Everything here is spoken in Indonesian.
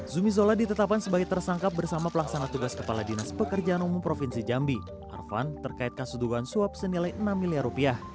zumi zola ditetapkan sebagai tersangkap bersama pelaksana tugas kepala dinas pekerjaan umum provinsi jambi arvan terkait kasus dugaan suap senilai enam miliar rupiah